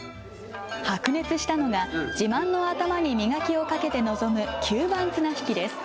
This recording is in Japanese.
白熱したのが、自慢の頭に磨きをかけて臨む吸盤綱引きです。